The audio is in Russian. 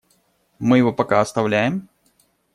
Мы его пока оставляем?